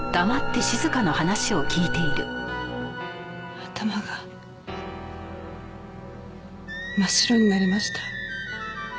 頭が真っ白になりました。